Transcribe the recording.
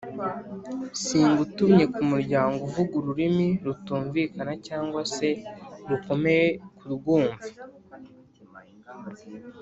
Singutumye ku muryango uvuga ururimi rutumvikana cyangwa se rukomeye kurwumva